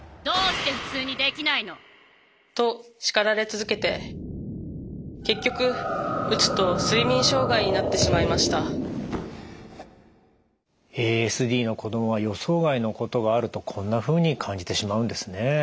どうして普通にできないの？と叱られ続けて結局うつと睡眠障害になってしまいましたＡＳＤの子どもは予想外のことがあるとこんなふうに感じてしまうんですね。